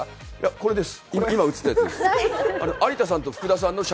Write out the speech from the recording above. これです、今、映ってるやつです。